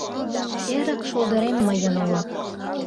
Эрык шулдырем мыйын уло.